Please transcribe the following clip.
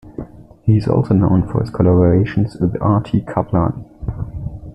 He is also known for his collaborations with Artie Kaplan.